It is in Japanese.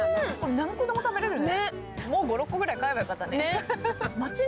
何個でも食べれるね。